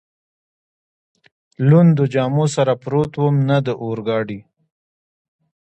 لوندو جامو سره پروت ووم، نه د اورګاډي.